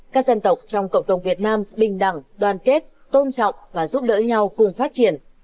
các dân tộc trong cộng đồng việt nam bình đẳng đoàn kết tôn trọng và giúp đỡ nhau cùng phát triển